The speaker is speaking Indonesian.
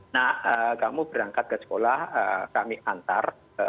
nah kamu berangkat ke sekolah kami antar